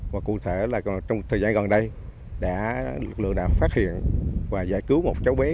và cụ thể là trong thời gian gần đây đã lực lượng đã phát hiện và giải cứu một cháu bé